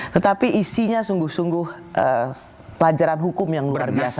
tetapi isinya sungguh sungguh pelajaran hukum yang luar biasa